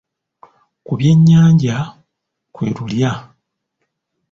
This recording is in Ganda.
Ku byennyanja kwe lulya.